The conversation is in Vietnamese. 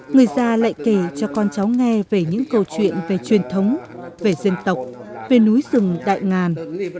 người già lại kể cho con cháu nghe về những câu chuyện về truyền thống về dân tộc về núi rừng đại ngàn